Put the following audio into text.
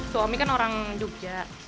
suami kan orang jogja